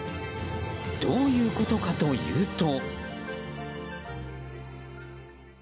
どういうことかというと。